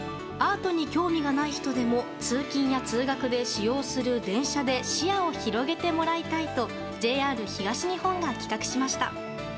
アートに興味がない人でも通勤や通学で使用する電車で視野を広げてもらいたいとＪＲ東日本が企画しました。